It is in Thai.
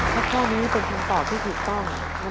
ถ้าข้อนี้เป็นคำตอบที่ถูกต้อง